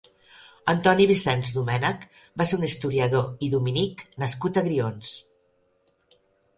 Antoni Vicenç Domènec va ser un historiador i dominic nascut a Grions.